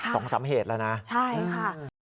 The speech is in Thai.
สองสามเหตุแล้วนะใช่ค่ะ